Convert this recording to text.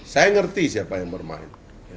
saya ngerti siapa yang bermain